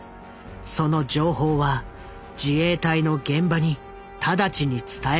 その情報は自衛隊の現場に直ちに伝えられた。